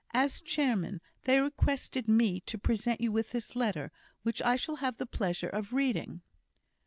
As Chairman, they requested me to present you with this letter, which I shall have the pleasure of reading."